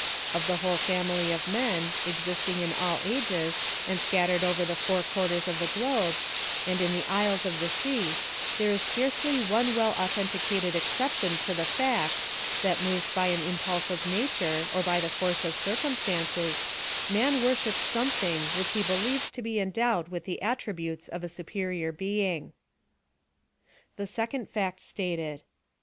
Of the whole family of man, existing in all ages, and scattered over the four Quarters of the globe, and in the isles of the sea, there s scarcely one well authen ticated, exception to the fact, that moved by an im pulse of nature, or the force of circumstances, nan worships something v/hich he believes to be endowed with the attributes of a superior being. THE SECOND FACT STATED.